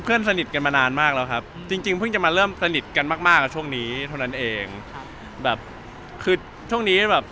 คุณก็จะมาดามใจเขาได้ไหมครับเค้าเดินศพมาก